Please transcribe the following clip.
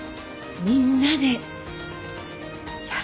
みんなでやろう。